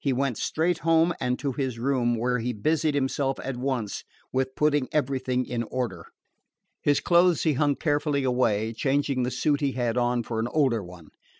He went straight home and to his room, where he busied himself at once with putting everything in order. His clothes he hung carefully away, changing the suit he had on for an older one.